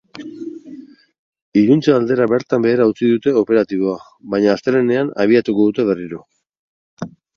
Iluntze aldera bertan behera utzi dute operatiboa, baina astelehenean abiatuko dute berriro.